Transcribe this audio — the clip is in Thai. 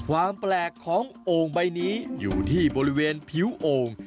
ความแปลกของโอ่งใบนี้อยู่ที่บริเวณผิวโอ่ง